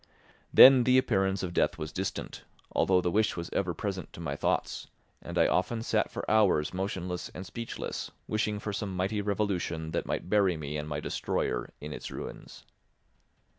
Then the appearance of death was distant, although the wish was ever present to my thoughts; and I often sat for hours motionless and speechless, wishing for some mighty revolution that might bury me and my destroyer in its ruins.